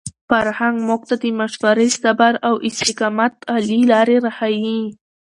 فرهنګ موږ ته د مشورې، صبر او استقامت عالي لارې راښيي.